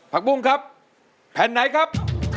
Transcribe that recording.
ปุ้งครับแผ่นไหนครับ